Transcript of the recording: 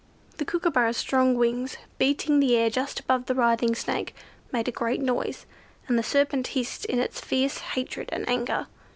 The Kookooburra's strong wings, beating the air just above the writhing Snake, made a great noise, and the serpent hissed in its fierce hatred and anger.